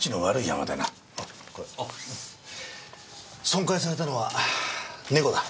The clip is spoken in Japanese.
損壊されたのは猫だ。